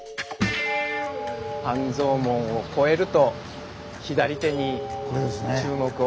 半蔵門を越えると左手に注目を。